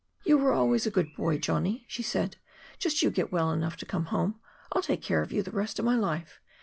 "You were always a good boy, Johnny," she said. "Just you get well enough to come home. I'll take care of you the rest of my life.